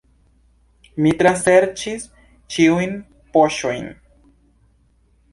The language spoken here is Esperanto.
Mi traserĉis ĉiujn poŝojn.